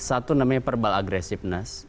satu namanya verbal aggressiveness